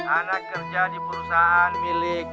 anak kerja di perusahaan milik